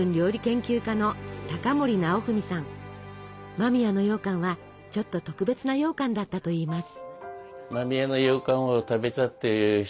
間宮のようかんはちょっと特別なようかんだったといいます。